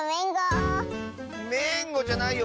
「めんご」じゃないよ。